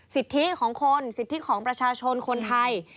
สิทธิของคนสิทธิของประชาชนคนไทย